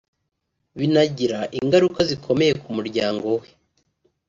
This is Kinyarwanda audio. binagira ingaruka zikomeye ku muryango we